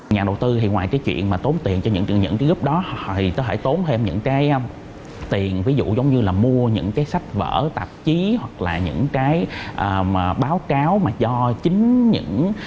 nhà đầu tư ngoài chuyện tốn tiền cho những gấp đó thì tốn thêm những tiền ví dụ như mua những sách vở tạp chí hoặc là những báo cáo do chính những